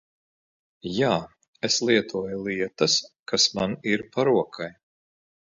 Jā, es lietoju lietas kas man ir pa rokai.